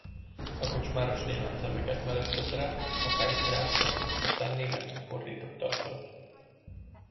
A kocsmárosné nagy szemeket meresztett rá, a fejét rázta, aztán németre fordította a szót.